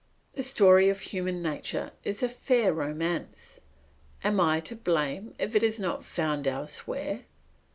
The story of human nature is a fair romance. Am I to blame if it is not found elsewhere?